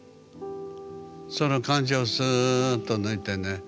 その感情をすっと抜いてね